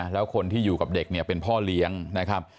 แล้วคนที่อยู่กับเด็กเนี่ยเป็นพ่อเลี้ยงนะครับ